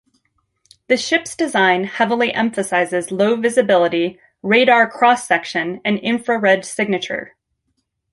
The ship's design heavily emphasizes low visibility, radar cross-section and infrared signature.